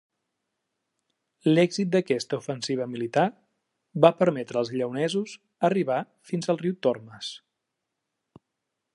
L'èxit d'aquesta ofensiva militar va permetre els lleonesos arribar fins al riu Tormes.